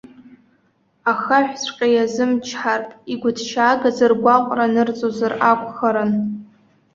Ахаҳәҵәҟьа иазымчҳартә, игәыҭшьаагаз ргәаҟра анырҵозар акәхарын.